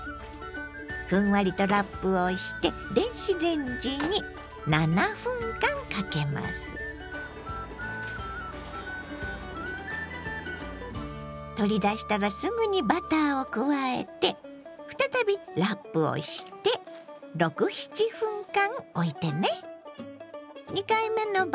ふんわりとラップをして取り出したらすぐにバターを加えて再びラップをして６７分間おいてね。